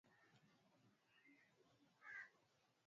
Carla alikuwa aina tofauti